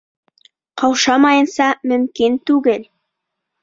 Ҡаушамайынса мөмкин түгел